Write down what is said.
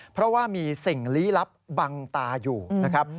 เพราะว่ามีสิ่งลี้ลับบังตาอยู่นะครับ